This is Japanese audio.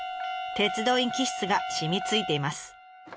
鉄道員気質が染みついています。